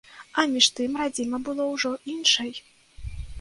А між тым, радзіма была ўжо іншай.